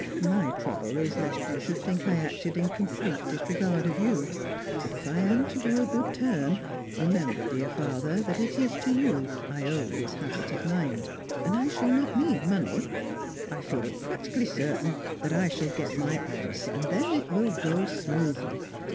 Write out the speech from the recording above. My trouble is lest you should think I acted in complete disregard of you; but, if I am glad to do a good turn, remember, dear father, that it is to you I owe this habit of mind. And I shall not need money. I feel it practically certain that I shall get my office, and then it will go smoothly.